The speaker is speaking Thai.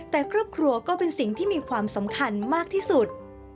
แต่ครอบครัวก็เป็นสิ่งที่มีความสำคัญมากที่สุด